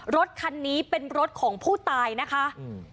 รถคันนี้เป็นรถของผู้ตายนะคะอืม